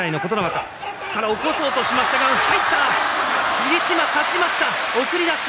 霧島、勝ちました送り出し。